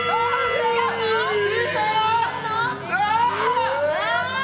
違うの？